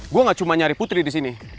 gue gak cuma nyari putri disini